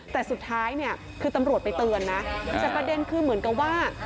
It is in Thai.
แต่สุดท้ายเนี่ยคือตำรวจไปเตือนนะแต่ประเด็นคือเหมือนกับว่า